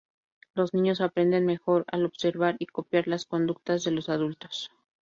Los niños aprenden mejor al observar y copiar las conductas de los adultos.